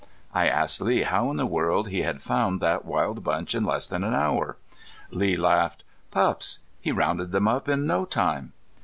I asked Lee how in the world he had found that wild bunch in less than an hour. Lee laughed. "Pups. He rounded them up in no time."